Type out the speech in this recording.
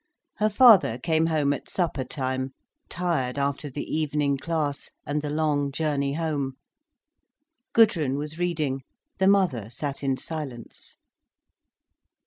Her father came home at suppertime, tired after the evening class, and the long journey home. Gudrun was reading, the mother sat in silence.